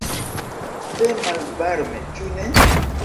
Tre malvarme, ĉu ne?